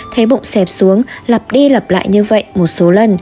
thế bụng xẹp xuống lặp đi lặp lại như vậy một số lần